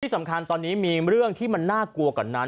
สำคัญตอนนี้มีเรื่องที่มันน่ากลัวกว่านั้น